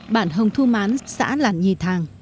bản hồng thu mán xã làn nhì thàng